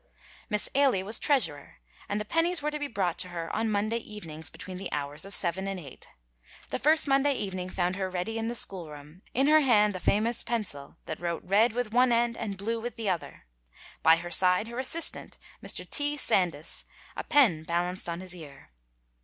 Miss Ailie was treasurer, and the pennies were to be brought to her on Monday evenings between the hours of seven and eight. The first Monday evening found her ready in the school room, in her hand the famous pencil that wrote red with the one end and blue with the other; by her side her assistant, Mr. T. Sandys, a pen balanced on his ear.